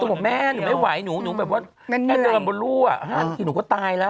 ต้องขอแม่หนูไม่ไหวหนูแบบว่าแอดเตอรัมบลูอ่ะถึงหนูก็ตายแล้ว